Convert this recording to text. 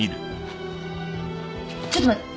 ちょっと待って！